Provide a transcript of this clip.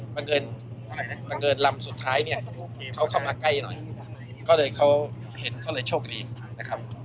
บังเอิญลำสุดท้ายเนี่ยเขาเข้ามาใกล้หน่อยก็เลยเขาเห็นก็เลยโชคดีนะครับ